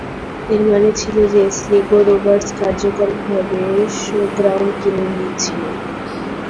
এর মানে ছিল যে, স্লিগো রোভার্স কার্যকরভাবে শোগ্রাউন্ড কিনে নিয়েছিল।